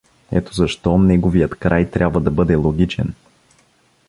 Ето защо неговият край трябва да бъде логичен.